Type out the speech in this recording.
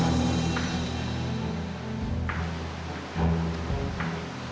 zaira aku di sini